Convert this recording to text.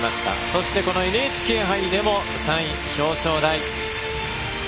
そして、このＮＨＫ杯でも３位、表彰台。